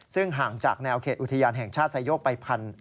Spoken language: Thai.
ซึ่งห่างจากแนวเขตอุทยานแห่งชาติไซโยกไป